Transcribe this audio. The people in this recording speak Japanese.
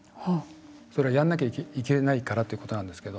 それは、やんなきゃいけないからっていうことなんですけど。